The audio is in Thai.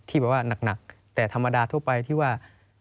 แบบว่าหนักแต่ธรรมดาทั่วไปที่ว่า